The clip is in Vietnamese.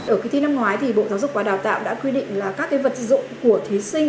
ở kỳ thi năm ngoái thì bộ giáo dục và đào tạo đã quy định là các cái vật dụng của thí sinh